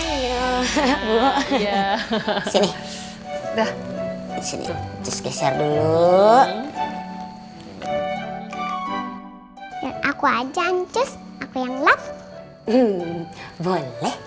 hai ayo sini dah kesini keser dulu aku aja ngecek aku yang love boleh